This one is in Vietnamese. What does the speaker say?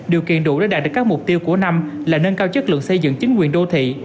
điều kiện đủ để đạt được các mục tiêu của năm là nâng cao chất lượng xây dựng chính quyền đô thị